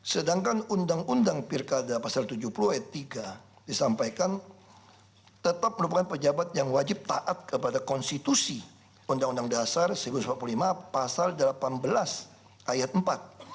sedangkan undang undang pilkada pasal tujuh puluh ayat tiga disampaikan tetap merupakan pejabat yang wajib taat kepada konstitusi undang undang dasar seribu sembilan ratus empat puluh lima pasal delapan belas ayat empat